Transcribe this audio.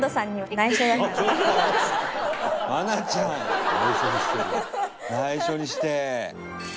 内緒にしてる。